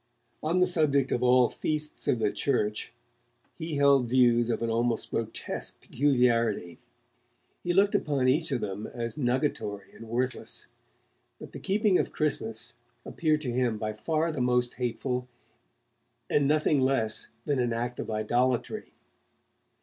On the subject of all feasts of the Church he held views of an almost grotesque peculiarity. He looked upon each of them as nugatory and worthless, but the keeping of Christmas appeared to him by far the most hateful, and nothing less than an act of idolatry.